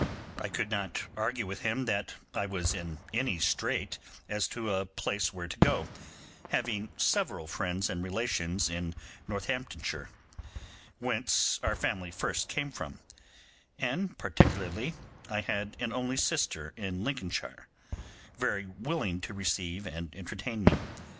I could not argue that I was in any strait as to a place where to go, having several friends and relations in Northamptonshire, whence our family first came from; and particularly, I had an only sister in Lincolnshire, very willing to receive and entertain me.